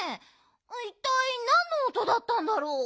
いったいなんのおとだったんだろう？